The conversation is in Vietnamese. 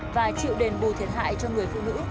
và chịu đền bù thiệt hại cho người phụ nữ